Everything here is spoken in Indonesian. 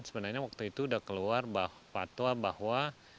sebenarnya waktu itu sudah keluar fatwa bahwa